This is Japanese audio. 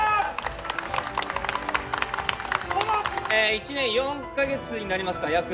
１年４か月になりますか約。